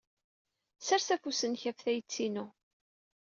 Ssers afus-nnek ɣef tayet-inu.